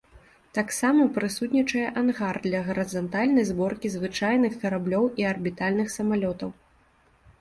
Таксама прысутнічае ангар для гарызантальнай зборкі звычайных караблёў і арбітальных самалётаў.